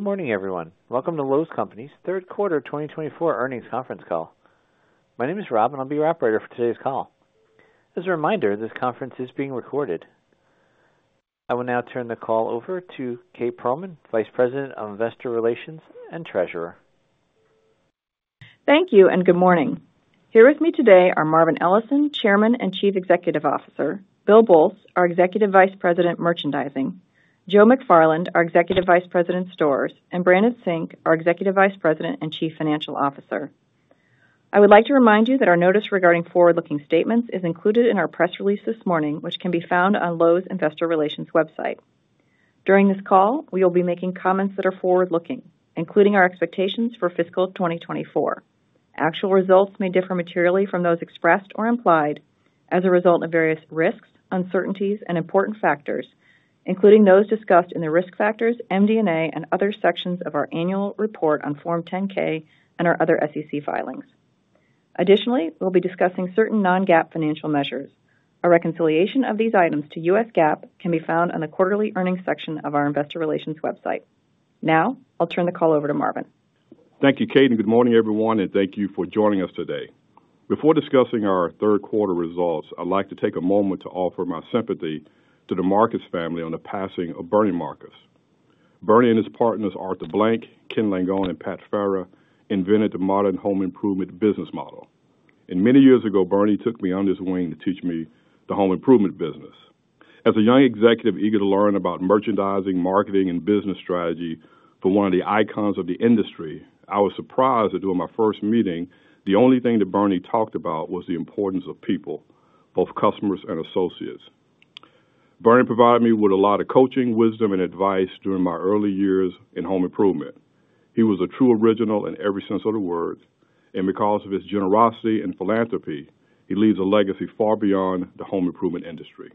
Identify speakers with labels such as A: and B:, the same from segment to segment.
A: Good morning, everyone. Welcome to Lowe's Companies' Q3 2024 Earnings Conference Call. My name is Rob, and I'll be your operator for today's call. As a reminder, this conference is being recorded. I will now turn the call over to Kate Pearlman, Vice President of Investor Relations and Treasurer.
B: Thank you, and good morning. Here with me today are Marvin Ellison, Chairman and Chief Executive Officer, Bill Boltz, our Executive Vice President, Merchandising, Joe McFarland, our Executive Vice President, Stores, and Brandon Sink, our Executive Vice President and Chief Financial Officer. I would like to remind you that our notice regarding forward-looking statements is included in our press release this morning, which can be found on Lowe's Investor Relations website. During this call, we will be making comments that are forward-looking, including our expectations for FY2024. Actual results may differ materially from those expressed or implied as a result of various risks, uncertainties, and important factors, including those discussed in the risk factors, MD&A, and other sections of our annual report on Form 10-K and our other SEC filings. Additionally, we'll be discussing certain non-GAAP financial measures. A reconciliation of these items to U.S. GAAP can be found on the quarterly earnings section of our Investor Relations website. Now, I'll turn the call over to Marvin.
C: Thank you, Kate, and good morning, everyone, and thank you for joining us today. Before discussing our Q3 results, I'd like to take a moment to offer my sympathy to the Marcus family on the passing of Bernie Marcus. Bernie and his partners, Arthur Blank, Ken Langone, and Pat Farrah, invented the modern home improvement business model. Many years ago, Bernie took me under his wing to teach me the home improvement business. As a young executive eager to learn about merchandising, marketing, and business strategy for one of the icons of the industry, I was surprised that during my first meeting, the only thing that Bernie talked about was the importance of people, both customers and associates. Bernie provided me with a lot of coaching, wisdom, and advice during my early years in home improvement. He was a true original in every sense of the word, and because of his generosity and philanthropy, he leaves a legacy far beyond the home improvement industry.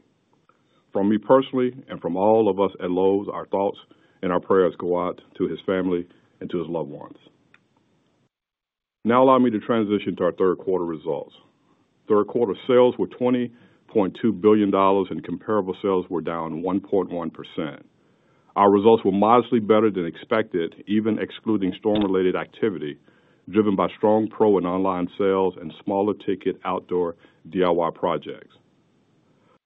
C: From me personally and from all of us at Lowe's, our thoughts and our prayers go out to his family and to his loved ones. Now, allow me to transition to our Q3 results. Q3 sales were $20.2 billion, and comparable sales were down 1.1%. Our results were modestly better than expected, even excluding storm-related activity driven by strong pro and online sales and smaller ticket outdoor DIY projects.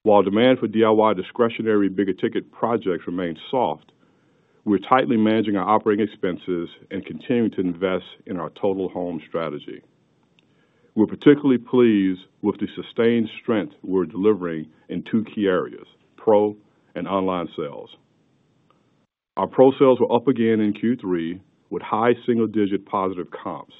C: While demand for DIY discretionary bigger ticket projects remained soft, we're tightly managing our operating expenses and continuing to invest in our Total Home Strategy. We're particularly pleased with the sustained strength we're delivering in two key areas: pro and online sales. Our Pro sales were up again in Q3 with high single-digit positive comps.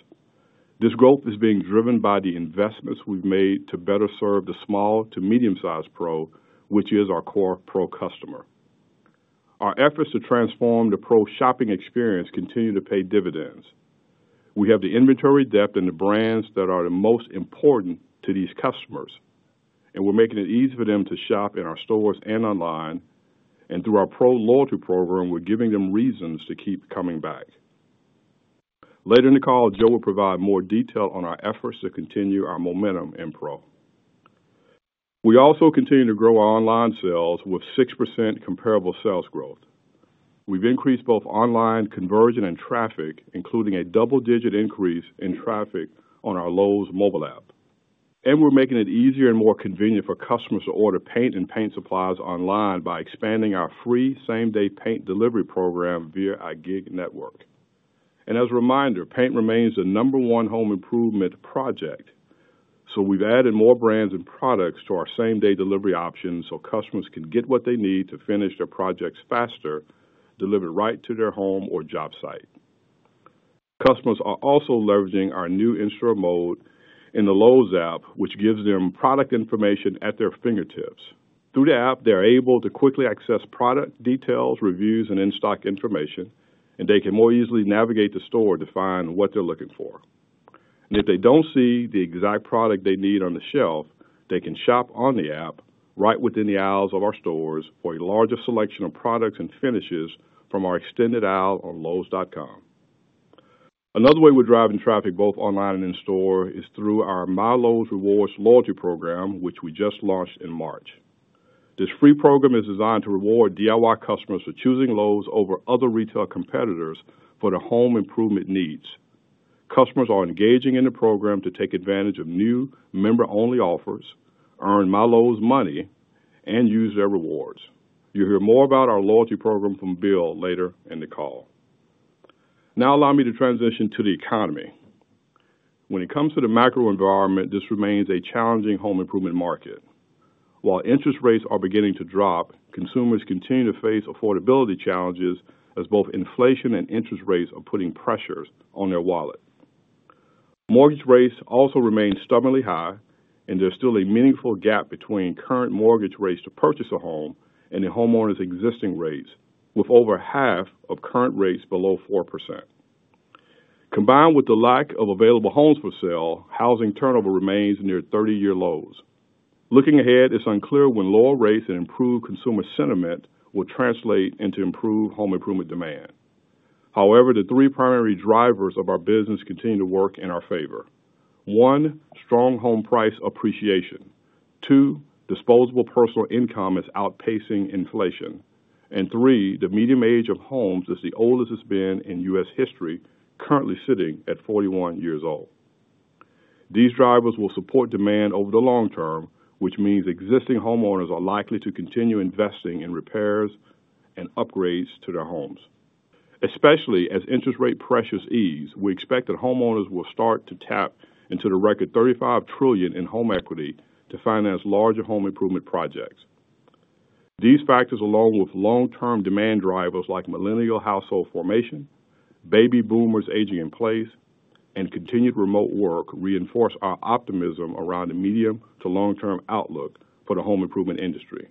C: This growth is being driven by the investments we've made to better serve the small to medium-sized Pro, which is our core Pro customer. Our efforts to transform the Pro shopping experience continue to pay dividends. We have the inventory depth and the brands that are the most important to these customers, and we're making it easy for them to shop in our stores and online. And through our Pro loyalty program, we're giving them reasons to keep coming back. Later in the call, Joe will provide more detail on our efforts to continue our momentum in Pro. We also continue to grow our online sales with 6% comparable sales growth. We've increased both online conversion and traffic, including a double-digit increase in traffic on our Lowe's mobile app. We're making it easier and more convenient for customers to order paint and paint supplies online by expanding our free same-day paint delivery program via our gig network. As a reminder, paint remains the number one home improvement project, so we've added more brands and products to our same-day delivery options so customers can get what they need to finish their projects faster, delivered right to their home or job site. Customers are also leveraging our new In-Store Mode in the Lowe's app, which gives them product information at their fingertips. Through the app, they're able to quickly access product details, reviews, and in-stock information, and they can more easily navigate the store to find what they're looking for. If they don't see the exact product they need on the shelf, they can shop on the app right within the aisles of our stores for a larger selection of products and finishes from our extended aisle on lowes.com. Another way we're driving traffic both online and in store is through our MyLowe's Rewards loyalty program, which we just launched in March. This free program is designed to reward DIY customers for choosing Lowe's over other retail competitors for their home improvement needs. Customers are engaging in the program to take advantage of new member-only offers, earn MyLowe's Money, and use their rewards. You'll hear more about our loyalty program from Bill later in the call. Now, allow me to transition to the economy. When it comes to the macro environment, this remains a challenging home improvement market. While interest rates are beginning to drop, consumers continue to face affordability challenges as both inflation and interest rates are putting pressures on their wallet. Mortgage rates also remain stubbornly high, and there's still a meaningful gap between current mortgage rates to purchase a home and the homeowners' existing rates, with over half of current rates below 4%. Combined with the lack of available homes for sale, housing turnover remains near 30-year lows. Looking ahead, it's unclear when lower rates and improved consumer sentiment will translate into improved home improvement demand. However, the three primary drivers of our business continue to work in our favor: one, strong home price appreciation; two, disposable personal income is outpacing inflation; and three, the median age of homes is the oldest it's been in U.S. history, currently sitting at 41 years old. These drivers will support demand over the long term, which means existing homeowners are likely to continue investing in repairs and upgrades to their homes. Especially as interest rate pressures ease, we expect that homeowners will start to tap into the record $35 trillion in home equity to finance larger home improvement projects. These factors, along with long-term demand drivers like millennial household formation, baby boomers aging in place, and continued remote work, reinforce our optimism around the medium to long-term outlook for the home improvement industry.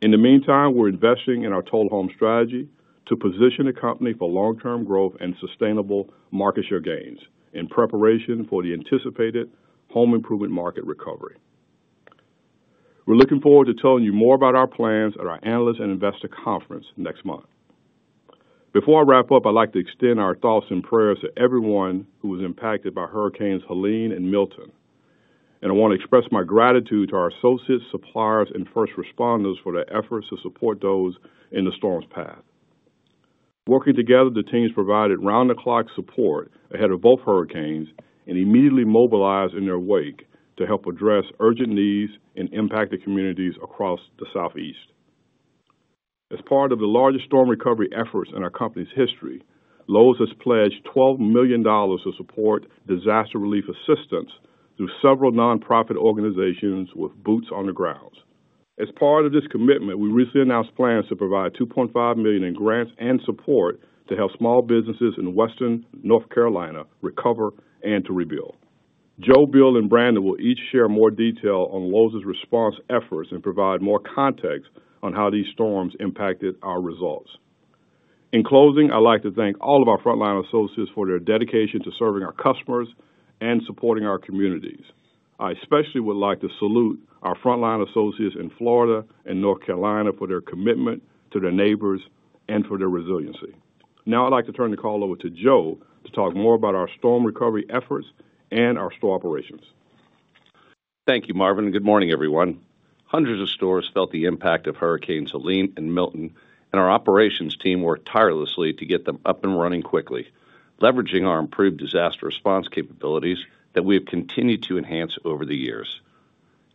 C: In the meantime, we're investing in our Total Home Strategy to position the company for long-term growth and sustainable market share gains in preparation for the anticipated home improvement market recovery. We're looking forward to telling you more about our plans at our Analysts and Investor Conference next month. Before I wrap up, I'd like to extend our thoughts and prayers to everyone who was impacted by Hurricanes Helene and Milton. I want to express my gratitude to our associates, suppliers, and first responders for their efforts to support those in the storm's path. Working together, the teams provided round-the-clock support ahead of both hurricanes and immediately mobilized in their wake to help address urgent needs and impacted communities across the Southeast. As part of the largest storm recovery efforts in our company's history, Lowe's has pledged $12 million to support disaster relief assistance through several nonprofit organizations with boots on the ground. As part of this commitment, we recently announced plans to provide $2.5 million in grants and support to help small businesses in Western North Carolina recover and to rebuild. Joe, Bill, and Brandon will each share more detail on Lowe's response efforts and provide more context on how these storms impacted our results. In closing, I'd like to thank all of our frontline associates for their dedication to serving our customers and supporting our communities. I especially would like to salute our frontline associates in Florida and North Carolina for their commitment to their neighbors and for their resiliency. Now, I'd like to turn the call over to Joe to talk more about our storm recovery efforts and our store operations.
D: Thank you, Marvin. Good morning, everyone. Hundreds of stores felt the impact of Hurricanes Helene and Milton, and our operations team worked tirelessly to get them up and running quickly, leveraging our improved disaster response capabilities that we have continued to enhance over the years.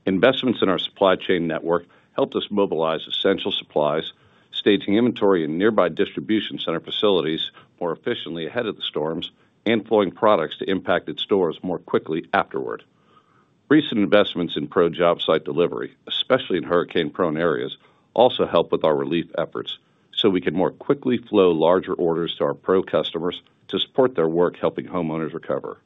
D: Investments in our supply chain network helped us mobilize essential supplies, staging inventory in nearby distribution center facilities more efficiently ahead of the storms, and flowing products to impacted stores more quickly afterward. Recent investments in pro job site delivery, especially in hurricane-prone areas, also helped with our relief efforts so we could more quickly flow larger orders to our pro customers to support their work helping homeowners recover.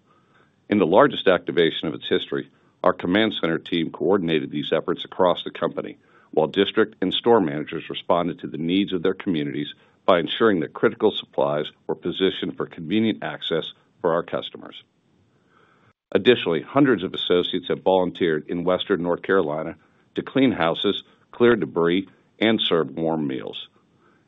D: In the largest activation of its history, our command center team coordinated these efforts across the company, while district and store managers responded to the needs of their communities by ensuring that critical supplies were positioned for convenient access for our customers. Additionally, hundreds of associates have volunteered in Western North Carolina to clean houses, clear debris, and serve warm meals.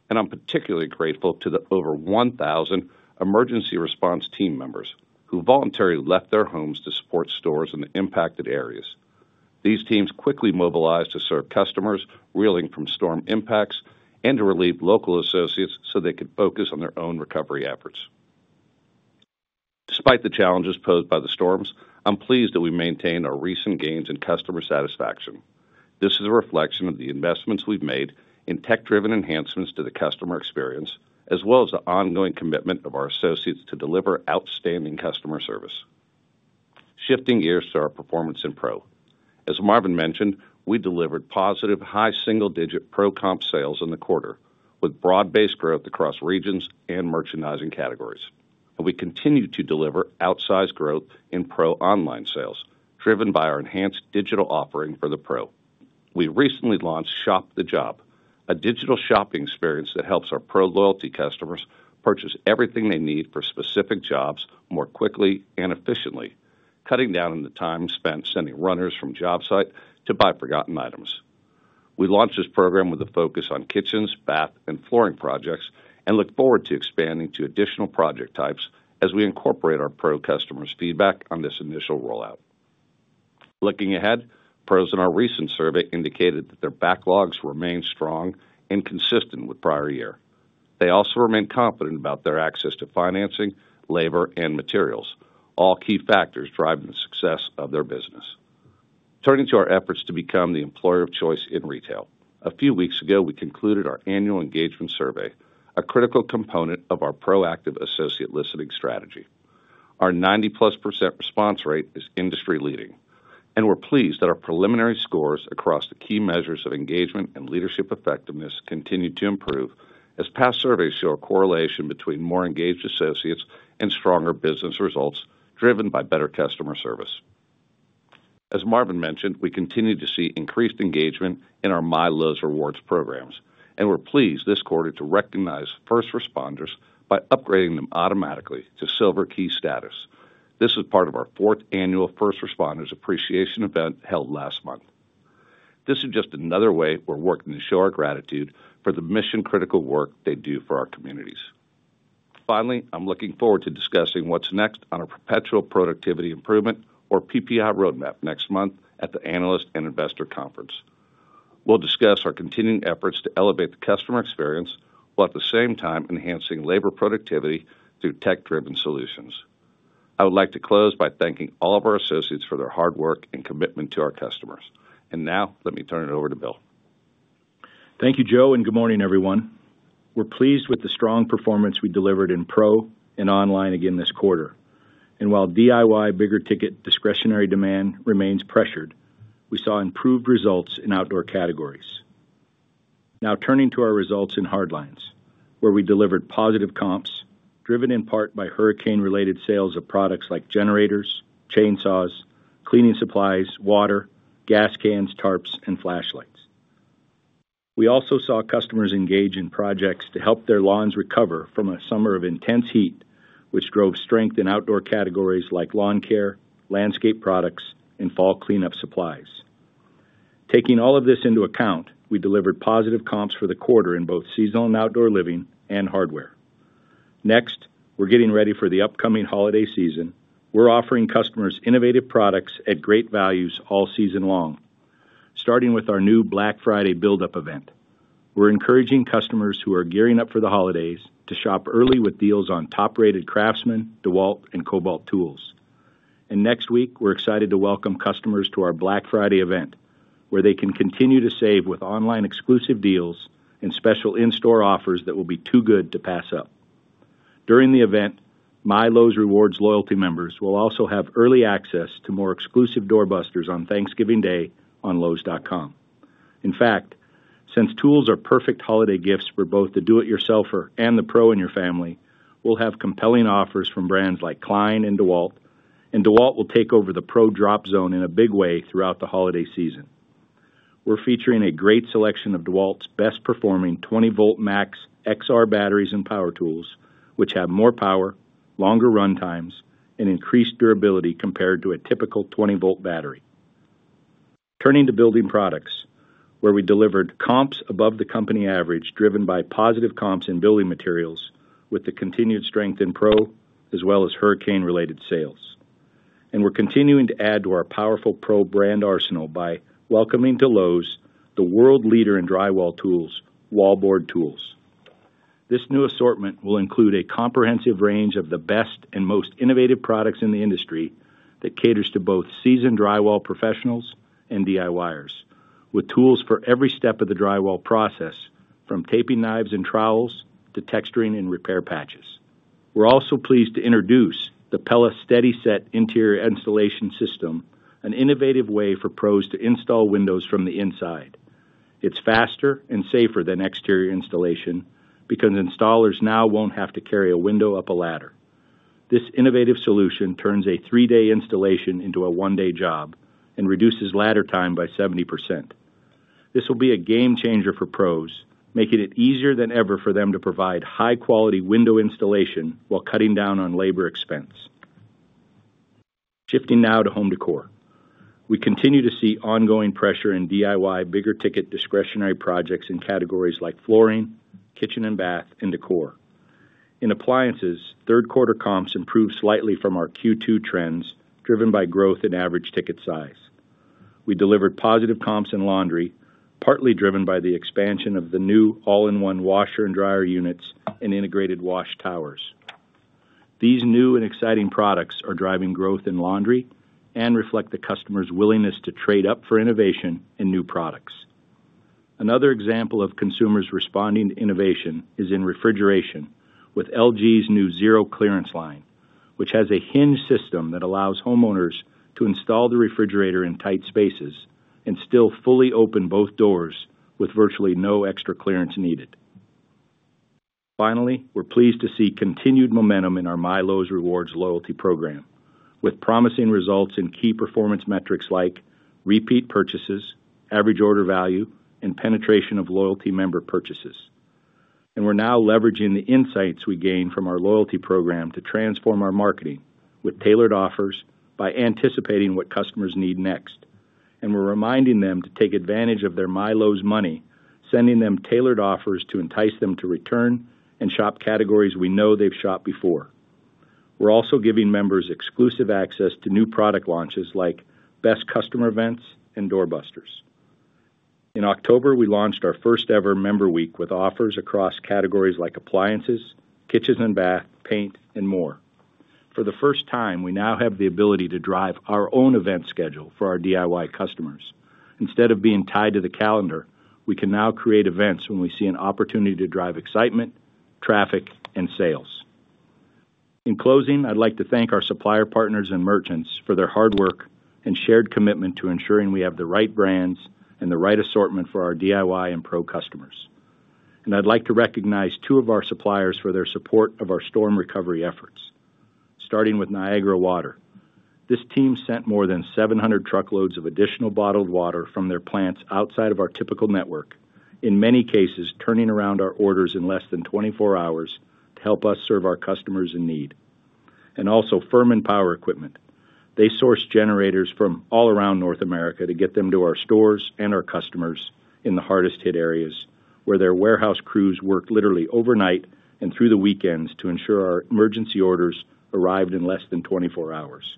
D: And I'm particularly grateful to the over 1,000 emergency response team members who voluntarily left their homes to support stores in the impacted areas. These teams quickly mobilized to serve customers reeling from storm impacts and to relieve local associates so they could focus on their own recovery efforts. Despite the challenges posed by the storms, I'm pleased that we maintain our recent gains in customer satisfaction. This is a reflection of the investments we've made in tech-driven enhancements to the customer experience, as well as the ongoing commitment of our associates to deliver outstanding customer service. Shifting gears to our performance in Pro. As Marvin mentioned, we delivered positive, high single-digit Pro comp sales in the quarter with broad-based growth across regions and merchandising categories. And we continue to deliver outsized growth in Pro online sales, driven by our enhanced digital offering for the Pro. We recently launched Shop the Job, a digital shopping experience that helps our Pro loyalty customers purchase everything they need for specific jobs more quickly and efficiently, cutting down on the time spent sending runners from job site to buy forgotten items. We launched this program with a focus on kitchens, bath, and flooring projects and look forward to expanding to additional project types as we incorporate our Pro customers' feedback on this initial rollout. Looking ahead, Pros in our recent survey indicated that their backlogs remain strong and consistent with prior year. They also remain confident about their access to financing, labor, and materials, all key factors driving the success of their business. Turning to our efforts to become the employer of choice in retail, a few weeks ago, we concluded our annual engagement survey, a critical component of our proactive associate listening strategy. Our 90-plus% response rate is industry-leading. And we're pleased that our preliminary scores across the key measures of engagement and leadership effectiveness continue to improve as past surveys show a correlation between more engaged associates and stronger business results driven by better customer service. As Marvin mentioned, we continue to see increased engagement in our MyLowe's Rewards programs. We're pleased this quarter to recognize first responders by upgrading them automatically to Silver Key status. This is part of our fourth annual first responders appreciation event held last month. This is just another way we're working to show our gratitude for the mission-critical work they do for our communities. Finally, I'm looking forward to discussing what's next on our Perpetual Productivity Improvement, or PPI, roadmap next month at the Analysts and Investors Conference. We'll discuss our continuing efforts to elevate the customer experience while at the same time enhancing labor productivity through tech-driven solutions. I would like to close by thanking all of our associates for their hard work and commitment to our customers. Now, let me turn it over to Bill.
E: Thank you, Joe, and good morning, everyone. We're pleased with the strong performance we delivered in Pro and online again this quarter. And while DIY bigger ticket discretionary demand remains pressured, we saw improved results in outdoor categories. Now, turning to our results in hard lines, where we delivered positive comps driven in part by hurricane-related sales of products like generators, chainsaws, cleaning supplies, water, gas cans, tarps, and flashlights. We also saw customers engage in projects to help their lawns recover from a summer of intense heat, which drove strength in outdoor categories like lawn care, landscape products, and fall cleanup supplies. Taking all of this into account, we delivered positive comps for the quarter in both seasonal and outdoor living and hardware. Next, we're getting ready for the upcoming holiday season. We're offering customers innovative products at great values all season long, starting with our new Black Friday Build-Up event. We're encouraging customers who are gearing up for the holidays to shop early with deals on top-rated Craftsman, DeWalt, and Kobalt Tools. And next week, we're excited to welcome customers to our Black Friday event, where they can continue to save with online exclusive deals and special in-store offers that will be too good to pass up. During the event, MyLowe's Rewards loyalty members will also have early access to more exclusive doorbusters on Thanksgiving Day on lowes.com. In fact, since tools are perfect holiday gifts for both the do-it-yourselfer and the pro in your family, we'll have compelling offers from brands like Klein and DeWalt. And DeWalt will take over the Pro Drop Zone in a big way throughout the holiday season. We're featuring a great selection of DeWalt's best-performing 20V MAX XR batteries and power tools, which have more power, longer run times, and increased durability compared to a typical 20-volt battery. Turning to building products, where we delivered comps above the company average, driven by positive comps in building materials, with the continued strength in pro as well as hurricane-related sales, and we're continuing to add to our powerful pro brand arsenal by welcoming to Lowe's the world leader in drywall tools, Wal-Board Tools. This new assortment will include a comprehensive range of the best and most innovative products in the industry that caters to both seasoned drywall professionals and DIYers, with tools for every step of the drywall process, from taping knives and trowels to texturing and repair patches. We're also pleased to introduce the Pella Steady Set interior installation system, an innovative way for pros to install windows from the inside. It's faster and safer than exterior installation because installers now won't have to carry a window up a ladder. This innovative solution turns a three-day installation into a one-day job and reduces ladder time by 70%. This will be a game changer for pros, making it easier than ever for them to provide high-quality window installation while cutting down on labor expense. Shifting now to home decor, we continue to see ongoing pressure in DIY bigger ticket discretionary projects in categories like flooring, kitchen and bath, and decor. In appliances, Q3 comps improved slightly from our Q2 trends driven by growth in average ticket size. We delivered positive comps in laundry, partly driven by the expansion of the new all-in-one washer and dryer units and integrated WashTowers. These new and exciting products are driving growth in laundry and reflect the customer's willingness to trade up for innovation in new products. Another example of consumers responding to innovation is in refrigeration with LG's new Zero Clearance Line, which has a hinge system that allows homeowners to install the refrigerator in tight spaces and still fully open both doors with virtually no extra clearance needed. Finally, we're pleased to see continued momentum in our MyLowe's Rewards loyalty program with promising results in key performance metrics like repeat purchases, average order value, and penetration of loyalty member purchases. And we're now leveraging the insights we gained from our loyalty program to transform our marketing with tailored offers by anticipating what customers need next. And we're reminding them to take advantage of their MyLowe's Money, sending them tailored offers to entice them to return and shop categories we know they've shopped before. We're also giving members exclusive access to new product launches like best customer events and doorbusters. In October, we launched our first-ever Member Week with offers across categories like appliances, kitchens and bath, paint, and more. For the first time, we now have the ability to drive our own event schedule for our DIY customers. Instead of being tied to the calendar, we can now create events when we see an opportunity to drive excitement, traffic, and sales. In closing, I'd like to thank our supplier partners and merchants for their hard work and shared commitment to ensuring we have the right brands and the right assortment for our DIY and pro customers. And I'd like to recognize two of our suppliers for their support of our storm recovery efforts, starting with Niagara Bottling. This team sent more than 700 truckloads of additional bottled water from their plants outside of our typical network, in many cases turning around our orders in less than 24 hours to help us serve our customers in need. And also, Firman Power Equipment. They sourced generators from all around North America to get them to our stores and our customers in the hardest-hit areas, where their warehouse crews worked literally overnight and through the weekends to ensure our emergency orders arrived in less than 24 hours.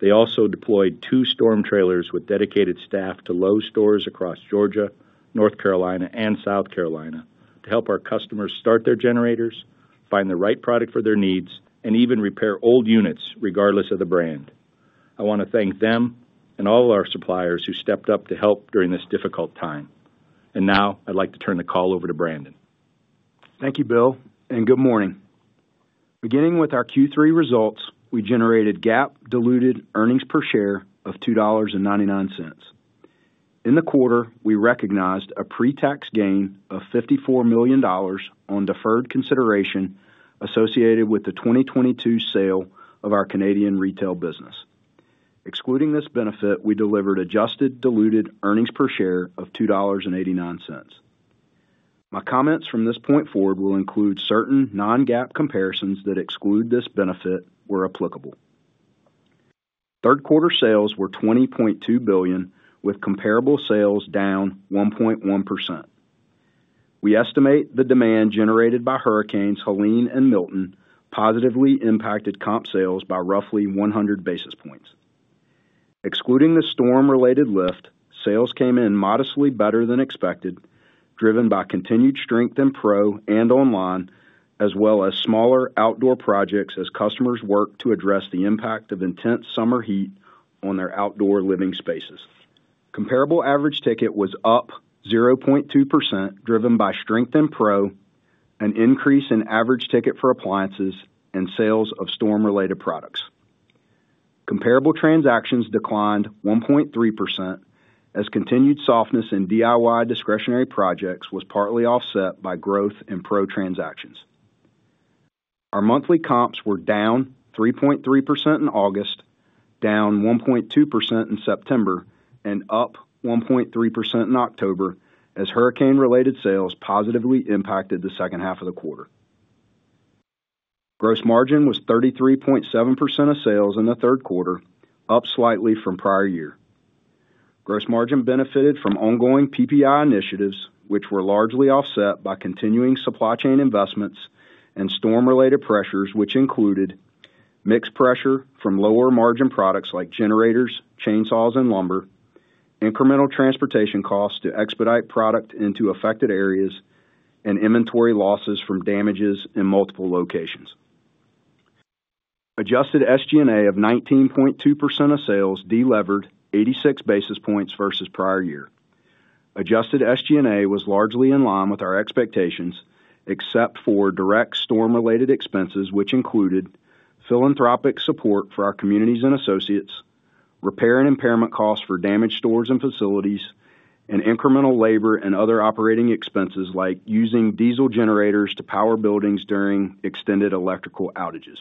E: They also deployed two storm trailers with dedicated staff to Lowe's stores across Georgia, North Carolina, and South Carolina to help our customers start their generators, find the right product for their needs, and even repair old units regardless of the brand. I want to thank them and all our suppliers who stepped up to help during this difficult time, and now, I'd like to turn the call over to Brandon.
F: Thank you, Bill, and good morning. Beginning with our Q3 results, we generated GAAP-diluted earnings per share of $2.99. In the quarter, we recognized a pre-tax gain of $54 million on deferred consideration associated with the 2022 sale of our Canadian retail business. Excluding this benefit, we delivered adjusted diluted earnings per share of $2.89. My comments from this point forward will include certain non-GAAP comparisons that exclude this benefit where applicable. Q3 sales were $20.2 billion, with comparable sales down 1.1%. We estimate the demand generated by hurricanes Helene and Milton positively impacted comp sales by roughly 100 basis points. Excluding the storm-related lift, sales came in modestly better than expected, driven by continued strength in pro and online, as well as smaller outdoor projects as customers worked to address the impact of intense summer heat on their outdoor living spaces. Comparable average ticket was up 0.2%, driven by strength in Pro, an increase in average ticket for appliances and sales of storm-related products. Comparable transactions declined 1.3% as continued softness in DIY discretionary projects was partly offset by growth in Pro transactions. Our monthly comps were down 3.3% in August, down 1.2% in September, and up 1.3% in October as hurricane-related sales positively impacted the second half of the quarter. Gross margin was 33.7% of sales in the Q3, up slightly from prior year. Gross margin benefited from ongoing PPI initiatives, which were largely offset by continuing supply chain investments and storm-related pressures, which included mixed pressure from lower margin products like generators, chainsaws, and lumber, incremental transportation costs to expedite product into affected areas, and inventory losses from damages in multiple locations. Adjusted SG&A of 19.2% of sales delivered 86 basis points versus prior year. Adjusted SG&A was largely in line with our expectations, except for direct storm-related expenses, which included philanthropic support for our communities and associates, repair and impairment costs for damaged stores and facilities, and incremental labor and other operating expenses like using diesel generators to power buildings during extended electrical outages.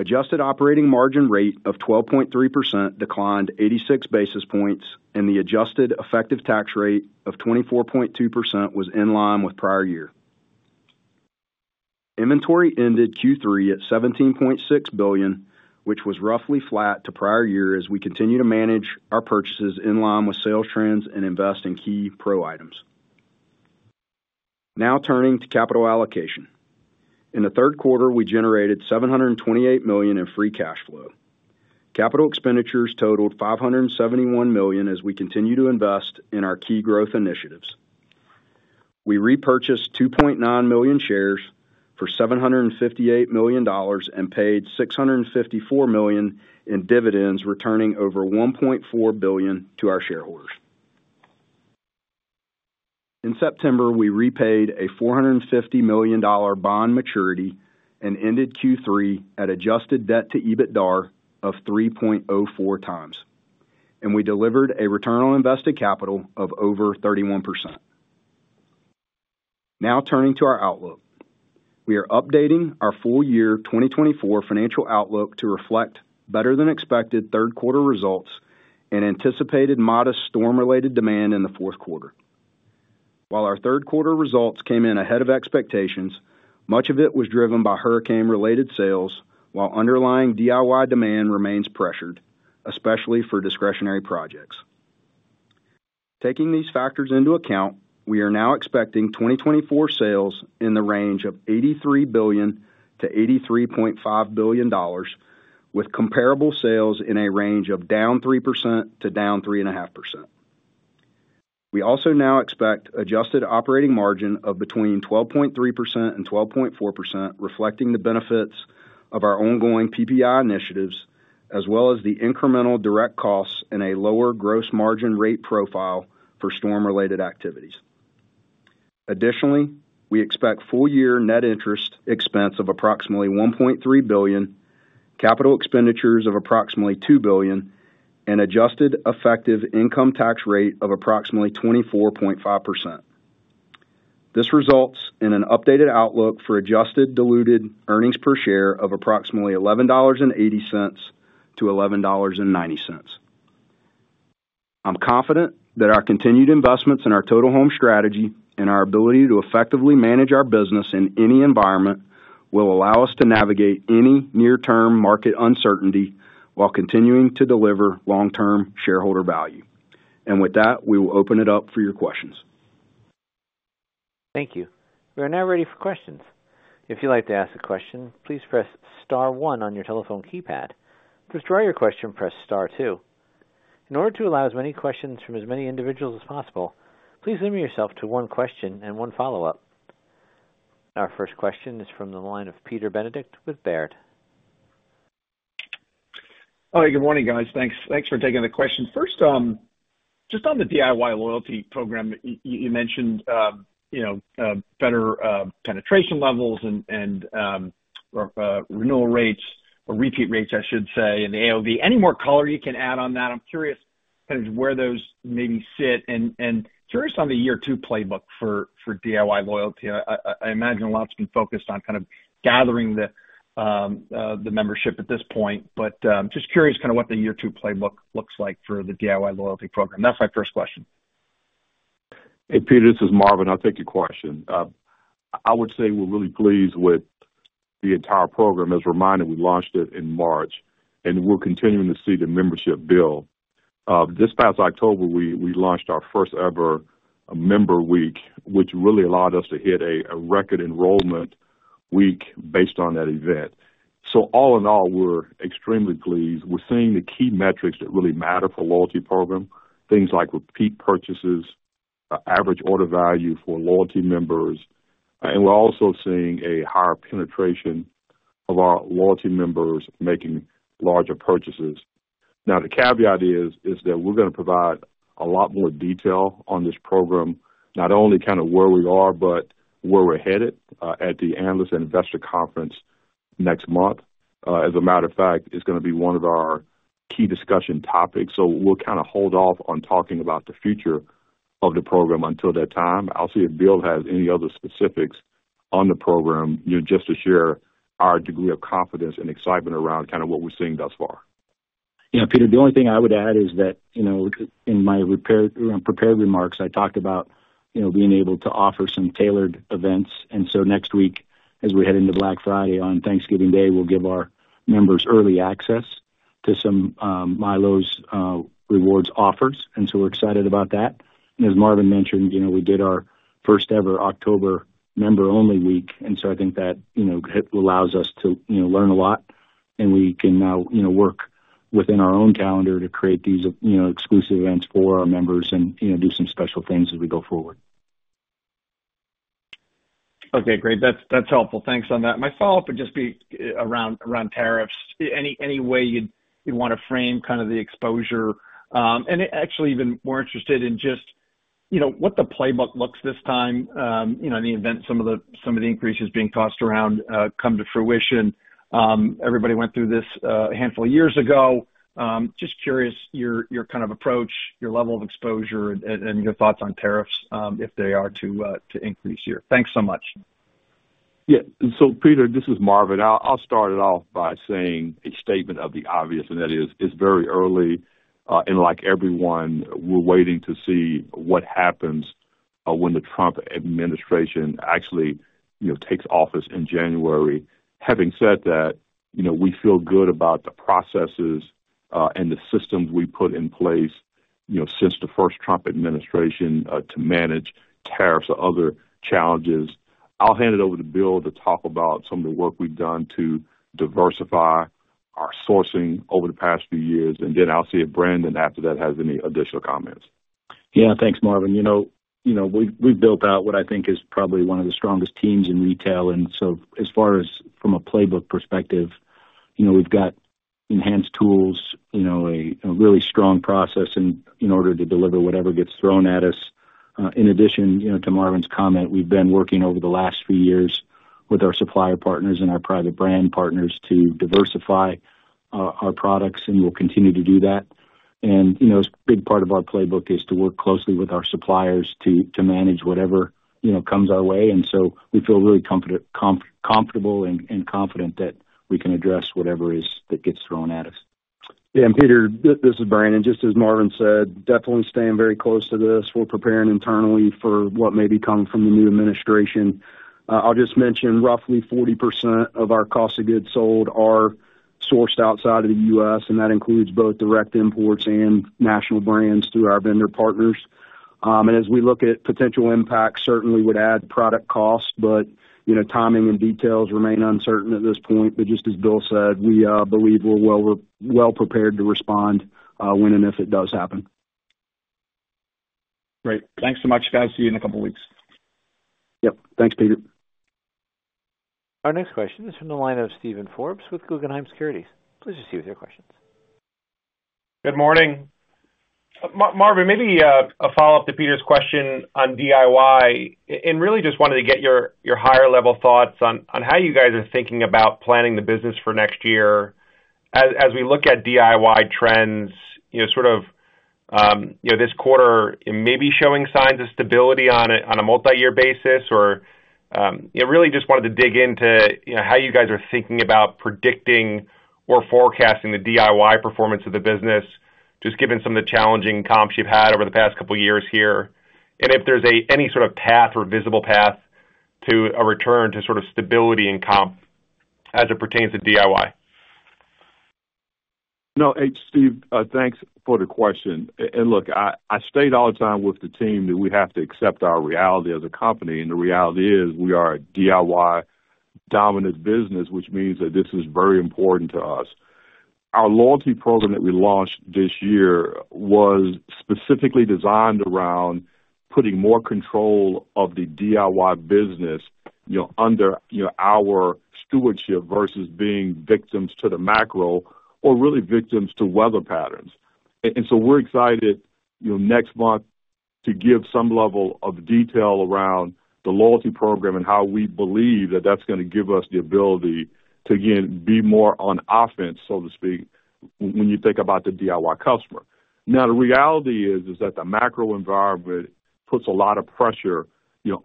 F: Adjusted operating margin rate of 12.3% declined 86 basis points, and the adjusted effective tax rate of 24.2% was in line with prior year. Inventory ended Q3 at $17.6 billion, which was roughly flat to prior year as we continue to manage our purchases in line with sales trends and invest in key pro items. Now, turning to capital allocation. In the Q3, we generated $728 million in free cash flow. Capital expenditures totaled $571 million as we continue to invest in our key growth initiatives. We repurchased 2.9 million shares for $758 million and paid $654 million in dividends, returning over $1.4 billion to our shareholders. In September, we repaid a $450 million bond maturity and ended Q3 at Adjusted Debt to EBITDA of 3.04 times, and we delivered a Return on Invested Capital of over 31%. Now, turning to our outlook, we are updating our full year 2024 financial outlook to reflect better-than-expected Q3 results and anticipated modest storm-related demand in the Q4. While our Q3 results came in ahead of expectations, much of it was driven by hurricane-related sales, while underlying DIY demand remains pressured, especially for discretionary projects. Taking these factors into account, we are now expecting 2024 sales in the range of $83 billion-$83.5 billion, with comparable sales in a range of down 3% to down 3.5%. We also now expect adjusted operating margin of between 12.3% and 12.4%, reflecting the benefits of our ongoing PPI initiatives, as well as the incremental direct costs and a lower gross margin rate profile for storm-related activities. Additionally, we expect full year net interest expense of approximately $1.3 billion, capital expenditures of approximately $2 billion, and adjusted effective income tax rate of approximately 24.5%. This results in an updated outlook for adjusted diluted earnings per share of approximately $11.80 to $11.90. I'm confident that our continued investments in our Total Home strategy and our ability to effectively manage our business in any environment will allow us to navigate any near-term market uncertainty while continuing to deliver long-term shareholder value. And with that, we will open it up for your questions.
A: Thank you. We are now ready for questions. If you'd like to ask a question, please press star one on your telephone keypad. To withdraw your question, press star two. In order to allow as many questions from as many individuals as possible, please limit yourself to one question and one follow-up. Our first question is from the line of Peter Benedict with Baird.
G: Hi. Good morning, guys. Thanks for taking the question. First, just on the DIY loyalty program, you mentioned better penetration levels and renewal rates or repeat rates, I should say, and the AOV. Any more color you can add on that? I'm curious kind of where those maybe sit, and curious on the year two playbook for DIY loyalty. I imagine a lot's been focused on kind of gathering the membership at this point, but just curious kind of what the year two playbook looks like for the DIY loyalty program. That's my first question.
C: Hey, Peter. This is Marvin. I'll take your question. I would say we're really pleased with the entire program. As a reminder, we launched it in March, and we're continuing to see the membership build. This past October, we launched our first-ever Member Week, which really allowed us to hit a record enrollment week based on that event. So all in all, we're extremely pleased. We're seeing the key metrics that really matter for the loyalty program, things like repeat purchases, average order value for loyalty members, and we're also seeing a higher penetration of our loyalty members making larger purchases. Now, the caveat is that we're going to provide a lot more detail on this program, not only kind of where we are but where we're headed at the Analyst and Investor Conference next month. As a matter of fact, it's going to be one of our key discussion topics. So we'll kind of hold off on talking about the future of the program until that time. I'll see if Bill has any other specifics on the program just to share our degree of confidence and excitement around kind of what we're seeing thus far.
F: Yeah, Peter, the only thing I would add is that in my prepared remarks, I talked about being able to offer some tailored events. And so next week, as we head into Black Friday on Thanksgiving Day, we'll give our members early access to some MyLowe's Rewards offers. And so we're excited about that. And as Marvin mentioned, we did our first-ever October member-only week. And so I think that allows us to learn a lot, and we can now work within our own calendar to create these exclusive events for our members and do some special things as we go forward.
G: Okay. Great. That's helpful. Thanks on that. My follow-up would just be around tariffs. Any way you'd want to frame kind of the exposure? And actually, even more interested in just what the playbook looks like this time in the event some of the increases being tossed around come to fruition. Everybody went through this a handful of years ago. Just curious your kind of approach, your level of exposure, and your thoughts on tariffs if they are to increase here. Thanks so much.
C: Yeah. So Peter, this is Marvin. I'll start it off by saying a statement of the obvious, and that is it's very early, and like everyone, we're waiting to see what happens when the Trump administration actually takes office in January. Having said that, we feel good about the processes and the systems we put in place since the first Trump administration to manage tariffs or other challenges. I'll hand it over to Bill to talk about some of the work we've done to diversify our sourcing over the past few years. And then I'll see if Brandon, after that, has any additional comments.
D: Yeah. Thanks, Marvin. We've built out what I think is probably one of the strongest teams in retail, and so as far as from a playbook perspective, we've got enhanced tools, a really strong process in order to deliver whatever gets thrown at us. In addition to Marvin's comment, we've been working over the last few years with our supplier partners and our private brand partners to diversify our products, and we'll continue to do that, and a big part of our playbook is to work closely with our suppliers to manage whatever comes our way, and so we feel really comfortable and confident that we can address whatever it is that gets thrown at us.
F: Yeah. Peter, this is Brandon. Just as Marvin said, definitely staying very close to this. We're preparing internally for what may be coming from the new administration. I'll just mention roughly 40% of our cost of goods sold are sourced outside of the U.S., and that includes both direct imports and national brands through our vendor partners. As we look at potential impacts, certainly would add product costs, but timing and details remain uncertain at this point. But just as Bill said, we believe we're well prepared to respond when and if it does happen.
G: Great. Thanks so much, guys. See you in a couple of weeks.
F: Yep. Thanks, Peter.
A: Our next question is from the line of Steven Forbes with Guggenheim Securities. Please proceed with your questions.
H: Good morning. Marvin, maybe a follow-up to Peter's question on DIY, and really just wanted to get your higher-level thoughts on how you guys are thinking about planning the business for next year as we look at DIY trends, sort of this quarter maybe showing signs of stability on a multi-year basis, or really just wanted to dig into how you guys are thinking about predicting or forecasting the DIY performance of the business, just given some of the challenging comps you've had over the past couple of years here, and if there's any sort of path or visible path to a return to sort of stability in comp as it pertains to DIY?
C: No. Hey, Steve, thanks for the question. Look, I say all the time with the team that we have to accept our reality as a company, and the reality is we are a DIY dominant business, which means that this is very important to us. Our loyalty program that we launched this year was specifically designed around putting more control of the DIY business under our stewardship versus being victims to the macro or really victims to weather patterns. We're excited next month to give some level of detail around the loyalty program and how we believe that that's going to give us the ability to, again, be more on offense, so to speak, when you think about the DIY customer. Now, the reality is that the macro environment puts a lot of pressure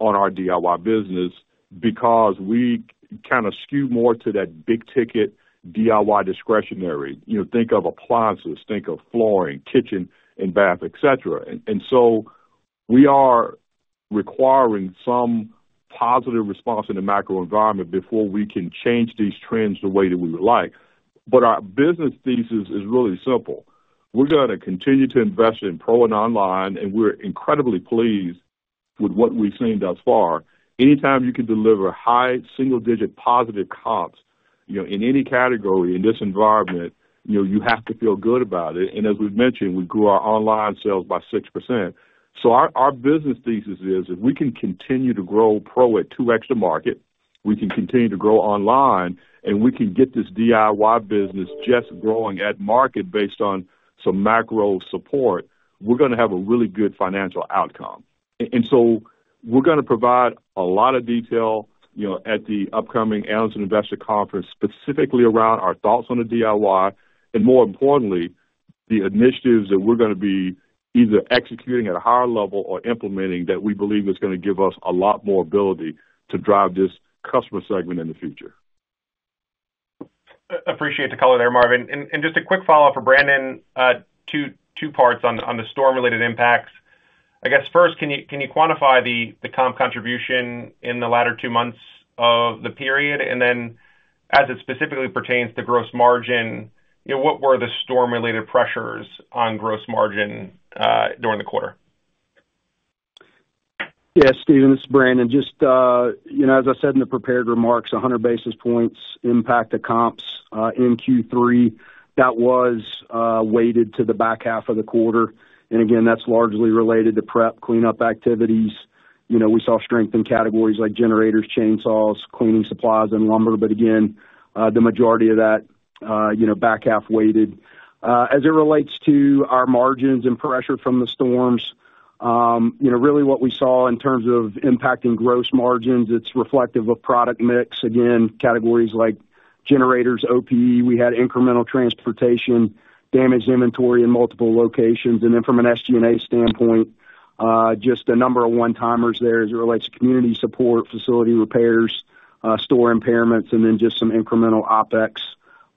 C: on our DIY business because we kind of skew more to that big-ticket DIY discretionary. Think of appliances, think of flooring, kitchen, and bath, etc. And so we are requiring some positive response in the macro environment before we can change these trends the way that we would like. But our business thesis is really simple. We're going to continue to invest in pro and online, and we're incredibly pleased with what we've seen thus far. Anytime you can deliver high single-digit positive comps in any category in this environment, you have to feel good about it. And as we've mentioned, we grew our online sales by 6%. So our business thesis is if we can continue to grow Pro at two X the market, we can continue to grow online, and we can get this DIY business just growing at market based on some macro support, we're going to have a really good financial outcome, and so we're going to provide a lot of detail at the upcoming Analyst and Investor Conference specifically around our thoughts on the DIY, and more importantly, the initiatives that we're going to be either executing at a higher level or implementing that we believe is going to give us a lot more ability to drive this customer segment in the future.
H: Appreciate the color there, Marvin. And just a quick follow-up for Brandon, two parts on the storm-related impacts. I guess first, can you quantify the comp contribution in the latter two months of the period? And then as it specifically pertains to gross margin, what were the storm-related pressures on gross margin during the quarter?
F: Yeah, Steven, this is Brandon. Just as I said in the prepared remarks, 100 basis points impact the comps in Q3. That was weighted to the back half of the quarter. And again, that's largely related to prep, cleanup activities. We saw strength in categories like generators, chainsaws, cleaning supplies, and lumber, but again, the majority of that back half weighted. As it relates to our margins and pressure from the storms, really what we saw in terms of impacting gross margins, it's reflective of product mix. Again, categories like generators, OPEX, we had incremental transportation, damaged inventory in multiple locations. And then from an SG&A standpoint, just a number of one-timers there as it relates to community support, facility repairs, store impairments, and then just some incremental OPEX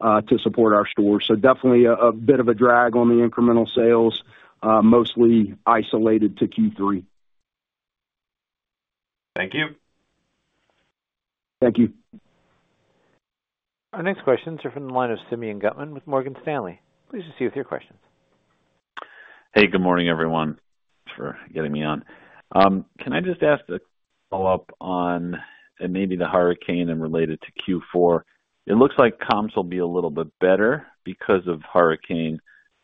F: to support our stores. So definitely a bit of a drag on the incremental sales, mostly isolated to Q3.
H: Thank you.
F: Thank you.
A: Our next questions are from the line of Simeon Gutman with Morgan Stanley. Please proceed with your questions.
I: Hey, good morning, everyone. Thanks for getting me on. Can I just ask a follow-up on maybe the hurricane and related to Q4? It looks like comps will be a little bit better because of hurricane,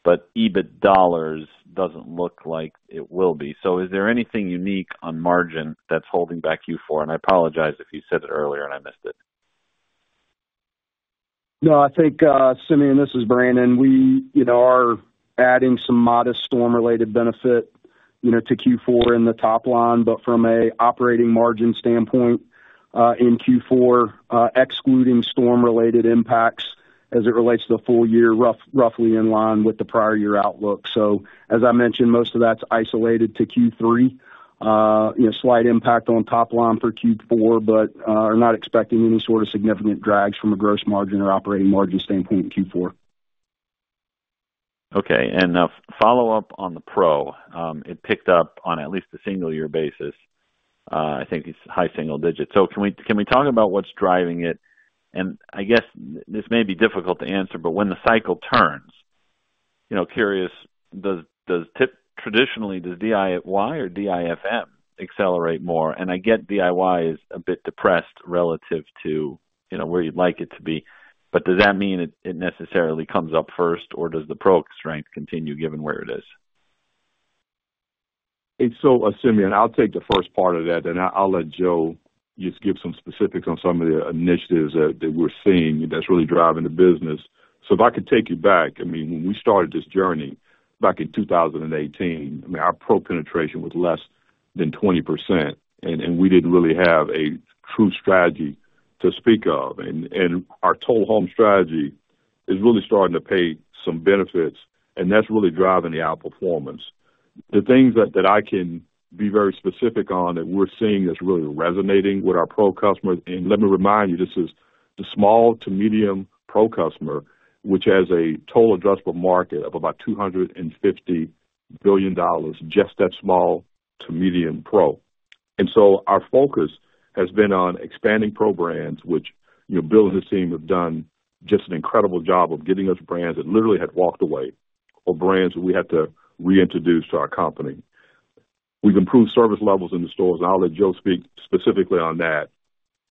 I: but EBIT dollars doesn't look like it will be. So is there anything unique on margin that's holding back Q4? And I apologize if you said it earlier and I missed it.
F: No, I think, Simeon, this is Brandon. We are adding some modest storm-related benefit to Q4 in the top line, but from an operating margin standpoint in Q4, excluding storm-related impacts as it relates to the full year, roughly in line with the prior year outlook. So as I mentioned, most of that's isolated to Q3, slight impact on top line for Q4, but we're not expecting any sort of significant drags from a gross margin or operating margin standpoint in Q4.
I: Okay. And a follow-up on the Pro. It picked up on at least the single-year basis. I think it's high single digits. So can we talk about what's driving it? And I guess this may be difficult to answer, but when the cycle turns, curious, traditionally, does DIY or DIFM accelerate more? And I get DIY is a bit depressed relative to where you'd like it to be, but does that mean it necessarily comes up first, or does the Pro strength continue given where it is?
C: And so, Simeon, I'll take the first part of that, and I'll let Joe just give some specifics on some of the initiatives that we're seeing that's really driving the business. So if I could take you back, I mean, when we started this journey back in 2018, I mean, our Pro penetration was less than 20%, and we didn't really have a true strategy to speak of. And our Total Home Strategy is really starting to pay some benefits, and that's really driving the outperformance. The things that I can be very specific on that we're seeing that's really resonating with our Pro customers, and let me remind you, this is the small to medium Pro customer, which has a total addressable market of about $250 billion, just that small to medium Pro. And so our focus has been on expanding pro brands, which Bill and his team have done just an incredible job of getting us brands that literally had walked away or brands that we had to reintroduce to our company. We've improved service levels in the stores, and I'll let Joe speak specifically on that.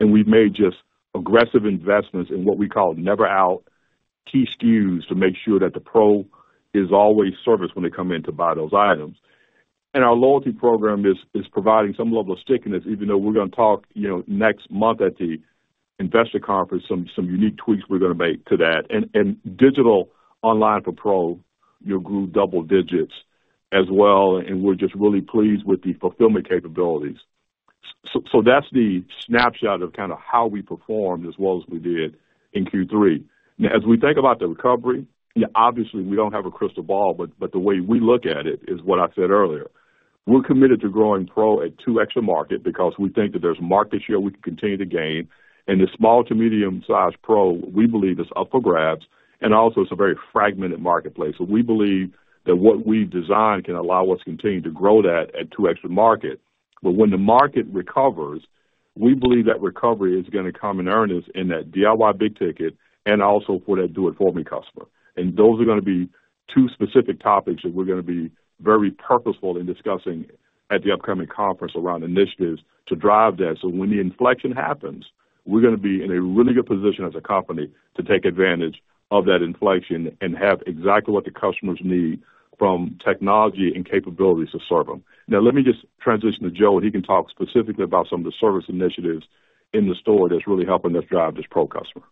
C: And we've made just aggressive investments in what we call never-out key SKUs to make sure that the pro is always serviced when they come in to buy those items. And our loyalty program is providing some level of stickiness, even though we're going to talk next month at the investor conference, some unique tweaks we're going to make to that. And digital online for pro grew double digits as well, and we're just really pleased with the fulfillment capabilities. So that's the snapshot of kind of how we performed as well as we did in Q3. Now, as we think about the recovery, obviously, we don't have a crystal ball, but the way we look at it is what I said earlier. We're committed to growing Pro at 2X the market because we think that there's market share we can continue to gain. And the small to medium-sized Pro, we believe, is up for grabs, and also, it's a very fragmented marketplace. So we believe that what we've designed can allow us to continue to grow that at 2X the market. But when the market recovers, we believe that recovery is going to come in earnest in that DIY big ticket and also for that Do-It-For-Me customer. Those are going to be two specific topics that we're going to be very purposeful in discussing at the upcoming conference around initiatives to drive that. So when the inflection happens, we're going to be in a really good position as a company to take advantage of that inflection and have exactly what the customers need from technology and capabilities to serve them. Now, let me just transition to Joe, and he can talk specifically about some of the service initiatives in the store that's really helping us drive this pro customer.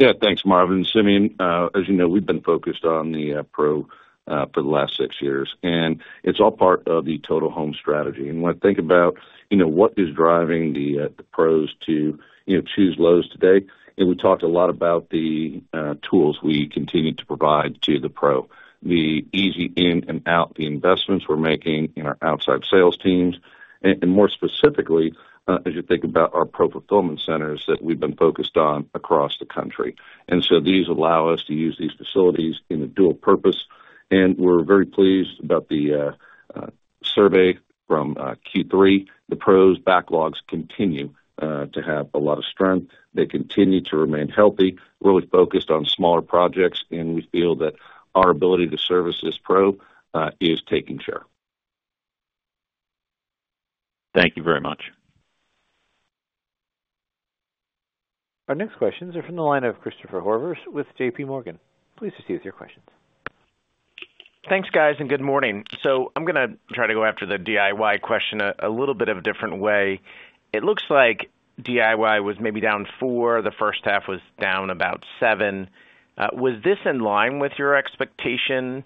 F: Yeah. Thanks, Marvin. Simeon, as you know, we've been focused on the pro for the last six years, and it's all part of the Total Home Strategy. And when I think about what is driving the pros to choose Lowe's today, and we talked a lot about the tools we continue to provide to the pro, the easy in and out, the investments we're making in our outside sales teams, and more specifically, as you think about our pro fulfillment centers that we've been focused on across the country. And so these allow us to use these facilities in a dual purpose. And we're very pleased about the survey from Q3. The pros' backlogs continue to have a lot of strength. They continue to remain healthy, really focused on smaller projects, and we feel that our ability to service this pro is taking share.
I: Thank you very much.
A: Our next questions are from the line of Christopher Horvers with JPMorgan. Please proceed with your questions.
J: Thanks, guys, and good morning. So I'm going to try to go after the DIY question a little bit of a different way. It looks like DIY was maybe down four. The first half was down about seven. Was this in line with your expectation?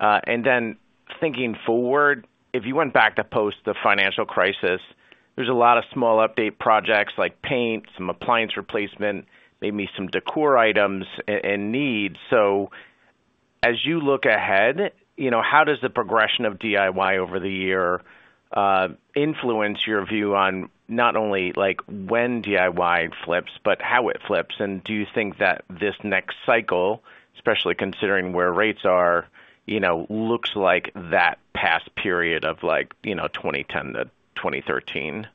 J: And then thinking forward, if you went back to post the financial crisis, there's a lot of small update projects like paint, some appliance replacement, maybe some decor items and needs. So as you look ahead, how does the progression of DIY over the year influence your view on not only when DIY flips, but how it flips? And do you think that this next cycle, especially considering where rates are, looks like that past period of 2010 to 2013?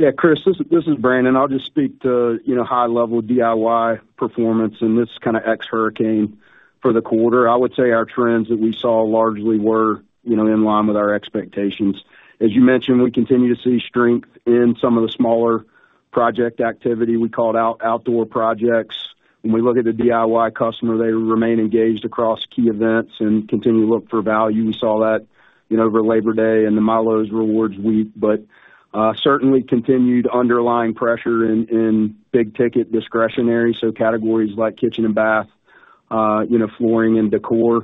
F: Yeah, Chris, this is Brandon. I'll just speak to high-level DIY performance in this kind of X hurricane for the quarter. I would say our trends that we saw largely were in line with our expectations. As you mentioned, we continue to see strength in some of the smaller project activity. We called out outdoor projects. When we look at the DIY customer, they remain engaged across key events and continue to look for value. We saw that over Labor Day and the MyLowe's Rewards week, but certainly continued underlying pressure in big-ticket discretionary, so categories like kitchen and bath, flooring, and decor,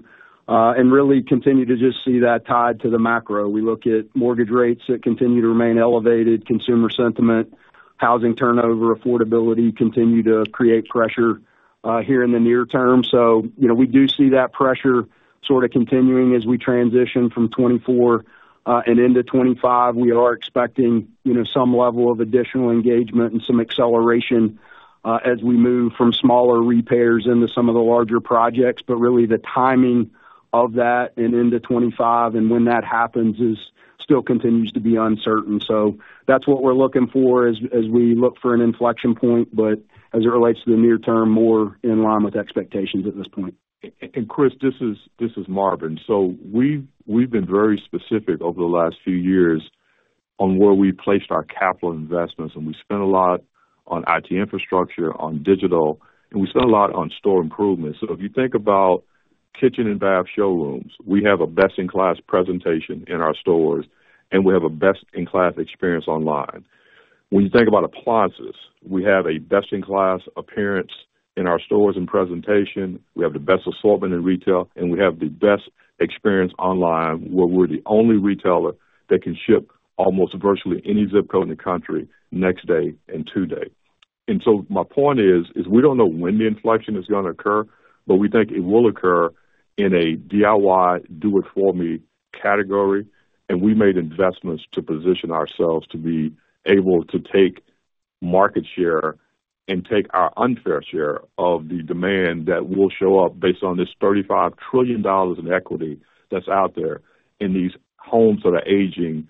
F: and really continue to just see that tied to the macro. We look at mortgage rates that continue to remain elevated, consumer sentiment, housing turnover, affordability continue to create pressure here in the near term. So we do see that pressure sort of continuing as we transition from 2024 and into 2025. We are expecting some level of additional engagement and some acceleration as we move from smaller repairs into some of the larger projects. But really, the timing of that and into 2025 and when that happens still continues to be uncertain. So that's what we're looking for as we look for an inflection point, but as it relates to the near term, more in line with expectations at this point.
C: Chris, this is Marvin. So we've been very specific over the last few years on where we placed our capital investments, and we spent a lot on IT infrastructure, on digital, and we spent a lot on store improvements. So if you think about kitchen and bath showrooms, we have a best-in-class presentation in our stores, and we have a best-in-class experience online. When you think about appliances, we have a best-in-class appearance in our stores and presentation. We have the best assortment in retail, and we have the best experience online where we're the only retailer that can ship almost virtually any ZIP code in the country next day and today. And so my point is we don't know when the inflection is going to occur, but we think it will occur in a DIY Do-It-For-Me category. And we made investments to position ourselves to be able to take market share and take our unfair share of the demand that will show up based on this $35 trillion in equity that's out there in these homes that are aging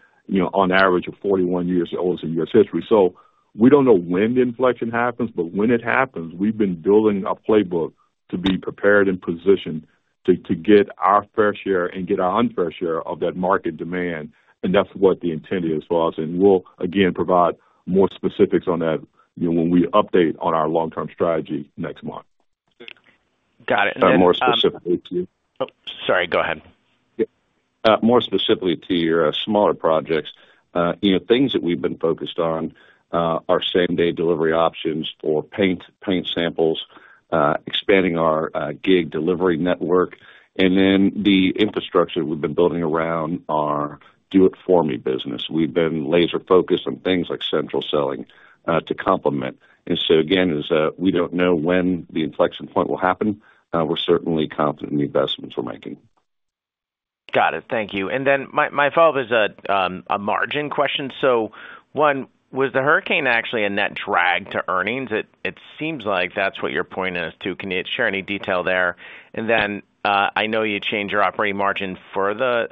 C: on average of 41 years old in U.S. history. So we don't know when the inflection happens, but when it happens, we've been building a playbook to be prepared and positioned to get our fair share and get our unfair share of that market demand. And that's what the intent is for us. And we'll, again, provide more specifics on that when we update on our long-term strategy next month.
J: Got it. And then.
C: Sorry, more specifically to you.
J: Oh, sorry, go ahead.
C: More specifically to your smaller projects, things that we've been focused on are same-day delivery options for paint, paint samples, expanding our gig delivery network, and then the infrastructure we've been building around our Do-It-For-Me business. We've been laser-focused on things like central selling to complement, and so again, as we don't know when the inflection point will happen, we're certainly confident in the investments we're making.
J: Got it. Thank you. And then my follow-up is a margin question. So, one, was the hurricane actually a net drag to earnings? It seems like that's what you're pointing to. Can you share any detail there? And then I know you changed your operating margin for the